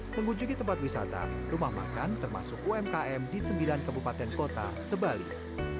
mengunjungi tempat wisata rumah makan termasuk umkm di sembilan kabupaten kota sebalik